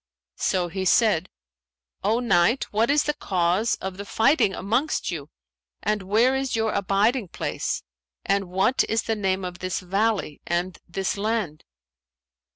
So he said, 'O Knight, what is the cause of the fighting amongst you and where is your abiding place and what is the name of this valley and this land?'